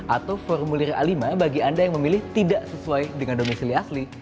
atau formulir a lima bagi anda yang memilih tidak sesuai dengan domisili asli